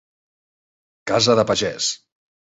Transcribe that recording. Casa de pagès.